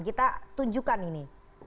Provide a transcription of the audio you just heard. kita tunjukkan ini